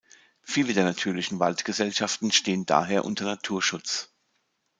Viele der natürlichen Waldgesellschaften stehen daher unter Naturschutz.